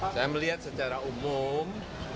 saya melihat secara umum